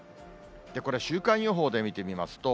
これ、週間予報で見てみますと。